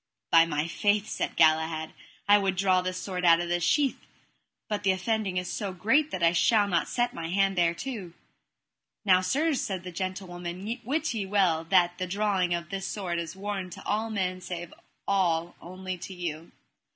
By my faith, said Galahad, I would draw this sword out of the sheath, but the offending is so great that I shall not set my hand thereto. Now sirs, said the gentlewoman, wit ye well that the drawing of this sword is warned to all men save all only to you.